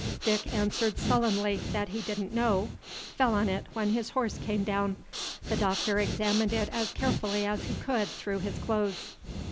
Dick answered sullenly, that he didn't know, fell on it when his horse came down. The Doctor examined it as carefully as he could through his clothes.